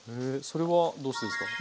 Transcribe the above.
それはどうしてですか？